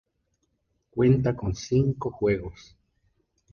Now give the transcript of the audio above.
Cuenta con cinco juegos.